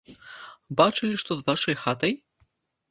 Бачылі, што з вашай хатай?